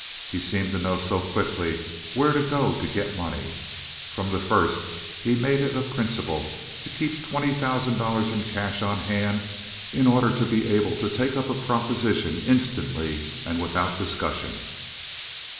He seemed to know so quickly where to go to get the money. From the first he made it a principle to keep twenty thousand dollars in cash on hand in order to be able to take up a proposition instantly and without discussion.